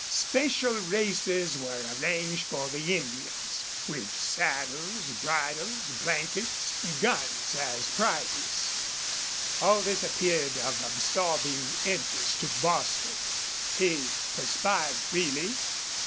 Special races were arranged for the Indians, with saddles, bridles, blankets, guns as prizes. All this appeared of absorbing interest to Bostil. He perspired freely.